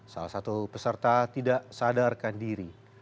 salah satu peserta tidak sadarkan diri